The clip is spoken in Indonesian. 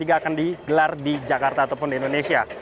akan digelar di jakarta ataupun di indonesia